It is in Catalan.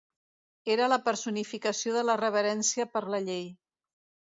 Era la personificació de la reverència per la llei.